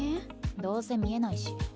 どうせ見えないし。